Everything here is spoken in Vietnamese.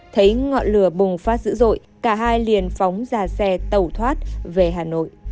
thấy ngọn lửa bùng phát dữ dội cả hai liền phóng ra xe tẩu thoát về hà nội